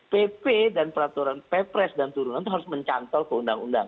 pp dan peraturan ppres dan turunan itu harus mencantol ke undang undang